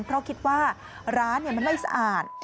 เพราะคิดว่าร้านมันไม่สะอาด